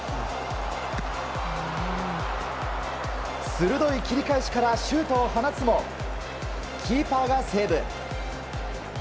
鋭い切り返しからシュートを放つもキーパーがセーブ。